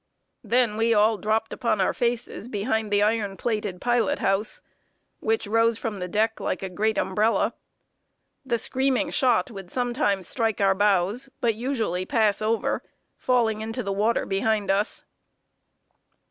Then we all dropped upon our faces behind the iron plated pilot house, which rose from the deck like a great umbrella. The screaming shot would sometimes strike our bows, but usually pass over, falling into the water behind us.